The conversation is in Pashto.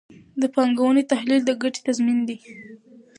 د پانګونې تحلیل د ګټې تضمین دی.